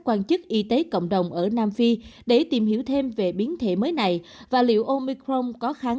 quan chức y tế cộng đồng ở nam phi để tìm hiểu thêm về biến thể mới này và liệu omicron có kháng